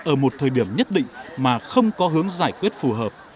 ở một thời điểm nhất định mà không có hướng giải quyết phù hợp